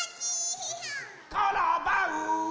コロバウ！